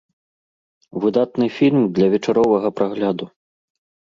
Выдатны фільм для вечаровага прагляду.